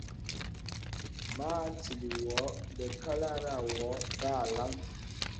Mà atil wô be kālārá wô tà alàŋ.